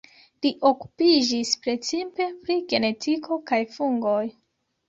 Li okupiĝis precipe pri genetiko kaj fungoj.